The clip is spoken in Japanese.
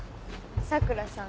佐倉さん